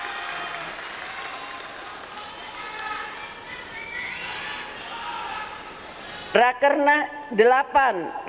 kepada pemerintah beri perhatian kepada rakyat indonesia